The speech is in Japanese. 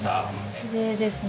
きれいですね。